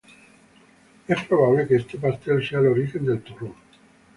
Es probable que este pastel sea el origen del Turrón.